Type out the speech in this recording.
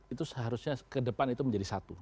itu seharusnya ke depan itu menjadi satu